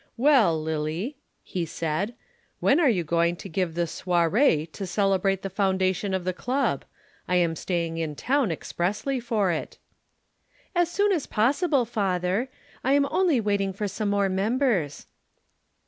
"Well, Lillie," he said, "when are you going to give the soirée to celebrate the foundation of the Club? I am staying in town expressly for it." "As soon as possible, father. I am only waiting for some more members."